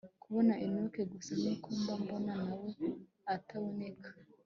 kubona enock gusa nuko mba mbona nawe ataboneka